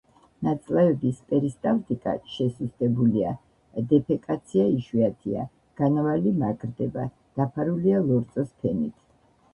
ნაწლავების პერისტალტიკა შესუსტებულია, დეფეკაცია იშვიათია, განავალი მაგრდება, დაფარულია ლორწოს ფენით.